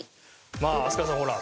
まあ飛鳥さんほら